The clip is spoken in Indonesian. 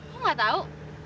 kok gak tahu